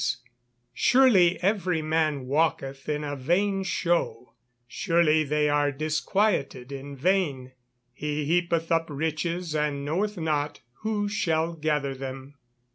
[Verse: "Surely every man walketh in a vain show; surely they are disquieted in vain: he heapeth up riches, and knoweth not who shall gather them."